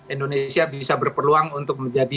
indonesia bisa berpeluang untuk menjadi